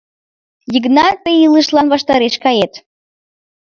— Йыгнат, тый илышлан ваштареш кает.